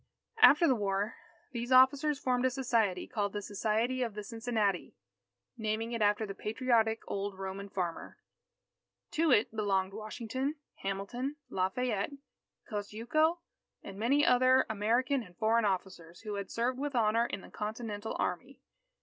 After the war, these officers formed a society, called the Society of the Cincinnati, naming it after the patriotic old Roman farmer. To it belonged Washington, Hamilton, Lafayette, Kosciuszko, and many other American and foreign officers, who had served with honour in the Continental army.